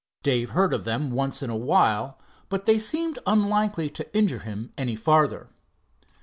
Dave heard of them once in awhile, but they seemed unlikely to injure him any farther.